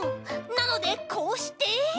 なのでこうして。